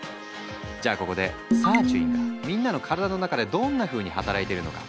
じゃあここでサーチュインがみんなの体の中でどんなふうに働いてるのか。